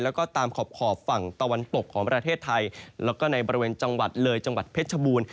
แล้วก็ตามขอบฝั่งตะวันตกของประเทศไทยแล้วก็ในบริเวณจังหวัดเลยจังหวัดเพชรชบูรณ์